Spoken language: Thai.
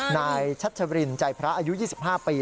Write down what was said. นายชัชรินใจพระอายุ๒๕ปี